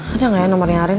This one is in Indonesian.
ada gak ya nomernya arin